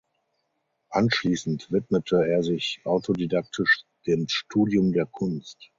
Anschließend widmete er sich autodidaktisch dem Studium der Kunst.